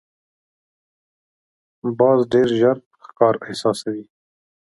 باز ډېر ژر ښکار احساسوي